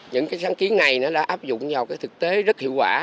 những cái sáng kiến này nó đã áp dụng vào cái thực tế rất hiệu quả